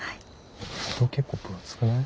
封筒結構分厚くない？